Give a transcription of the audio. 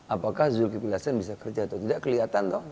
apakah zulkifli hasan bisa kerja atau tidak kelihatan toh